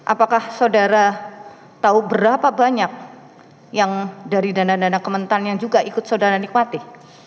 apakah saudara tahu berapa banyak yang dari dana dana kementan yang juga ikut saudara nikmati